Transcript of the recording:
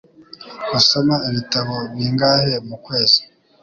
Usoma ibitabo bingahe mukwezi?